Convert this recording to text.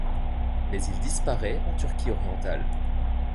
Mais il disparaît en Turquie orientale.